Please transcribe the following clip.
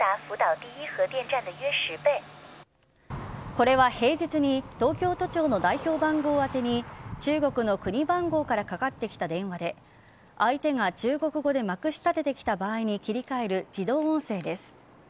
これは平日に東京都庁の代表番号宛てに中国の国番号からかかってきた電話で相手が中国語でまくしたててきた場合に切り替える自動音声です。